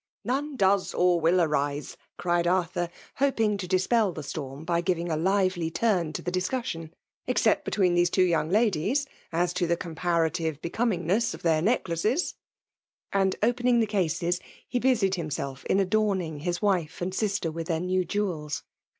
^ None does or wiH arise !cried Artfanr, iKiping to dii^ the storm by givia^ a HvAf tmtn to tlie discussioiiy " except between Aeae two young ladies, as to the comparative be^ oMDii^ess of their neddaces.*' And cpemng Ihe cases, he busied himself in adorning his wife and sister with their new jewels.